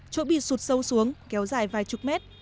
chỗ bị sụt sâu xuống kéo dài vài chục mét